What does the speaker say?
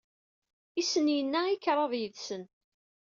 I asen-yenna i kraḍ yid-sen.